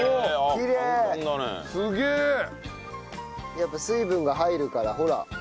やっぱ水分が入るからほら。